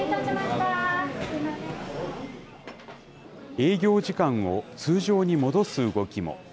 営業時間を通常に戻す動きも。